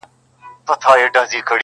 تور او سور زرغون ویاړلی بیرغ غواړم -